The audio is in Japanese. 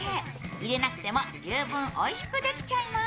入れなくても十分おいしくできちゃいます。